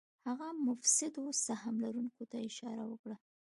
هغه مفسدو سهم لرونکو ته اشاره وکړه.